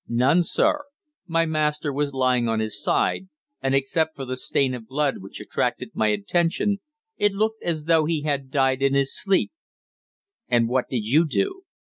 "None, sir. My master was lying on his side, and except for the stain of blood which attracted my attention it looked as though he had died in his sleep." "And what did you do?"